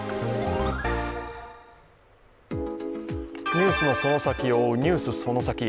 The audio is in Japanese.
ニュースのその先を追う「ＮＥＷＳそのサキ！」。